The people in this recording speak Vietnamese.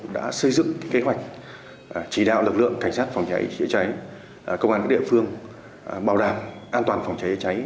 đã xây dựng kế hoạch chỉ đạo lực lượng cảnh sát phòng cháy chữa cháy công an các địa phương bảo đảm an toàn phòng cháy cháy